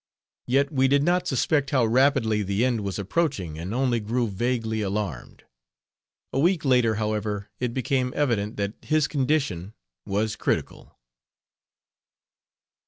Yet we did not suspect how rapidly the end was approaching and only grew vaguely alarmed. A week later, however, it became evident that his condition was critical.